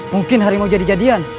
mungkin harimau jadi jadian